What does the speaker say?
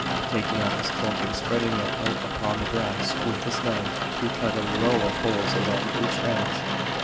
Taking off his cloak, and spreading it out upon the grass, with his knife he cut a row of holes along each edge.